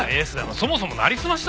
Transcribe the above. そもそもなりすましだろうが！